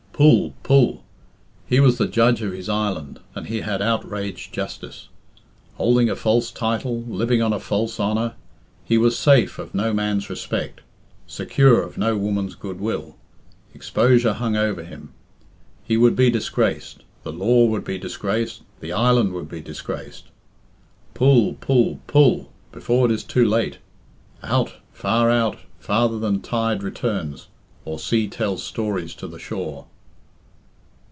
Pull, pull! He was the judge of his island, and he had outraged justice. Holding a false title, living on a false honour, he was safe of no man's respect, secure of no woman's goodwill. Exposure hung over him. He would be disgraced, the law would be disgraced, the island would be disgraced. Pull, pull, pull, before it is too late; out, far out, farther than tide returns, or sea tells stories to the shore.